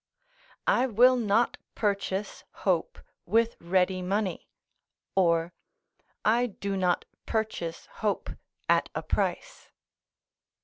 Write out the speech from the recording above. ["I will not purchase hope with ready money," (or), "I do not purchase hope at a price."